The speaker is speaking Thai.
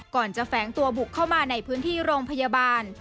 จะแฝงตัวบุกเข้ามาในพื้นที่โรงพยาบาล